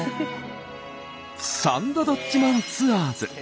「サンドどっちマンツアーズ」。